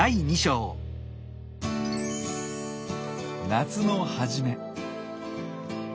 夏の初め。